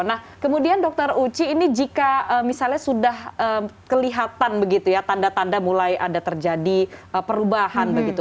nah kemudian dokter uci ini jika misalnya sudah kelihatan begitu ya tanda tanda mulai ada terjadi perubahan begitu